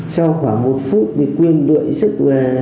sau khoảng một phút quyên đuổi sức